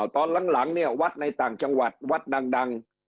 ตอนหลังเนี่ยวัดในต่างจังหวัดวัดดัง